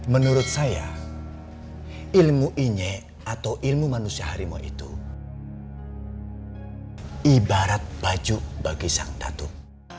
menurut saya ilmu injek atau ilmu manusia harimau itu ibarat baju bagi sang datuk